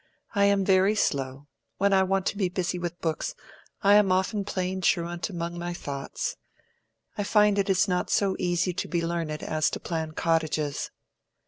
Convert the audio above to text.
"I am very slow. When I want to be busy with books, I am often playing truant among my thoughts. I find it is not so easy to be learned as to plan cottages."